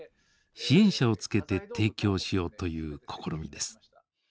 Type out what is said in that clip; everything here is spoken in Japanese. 支援者をつけて提供しようという試みです。